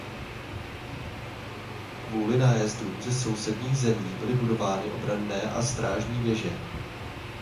Kvůli nájezdům ze sousedních zemí byly budovány obranné a strážní věže.